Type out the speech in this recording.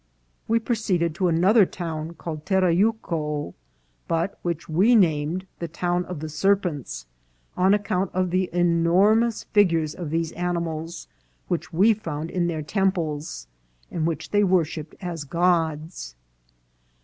" We proceeded to another town called Terrayuco, but which we named the town of the serpents, on ac count of the enormous figures of those animals which we found in their temples, and which they worshipped as gods."